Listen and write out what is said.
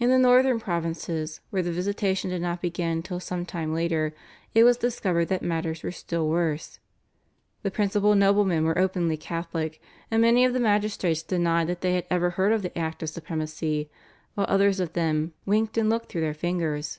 In the northern provinces where the visitation did not begin till some time later it was discovered that matters were still worse. The principal noblemen were openly Catholic, and many of the magistrates denied that they had ever heard of the Act of Supremacy, while others of them "winked and looked through their fingers."